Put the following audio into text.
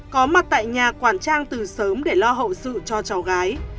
có mặt tại nhà quản trang từ sớm để lo hậu sự cho cháu gái